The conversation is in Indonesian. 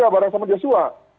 bareng sama joshua